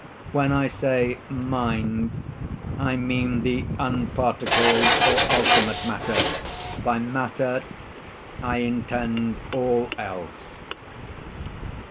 When I say "mind," I mean the unparticled or ultimate matter; by "matter," I intend all else.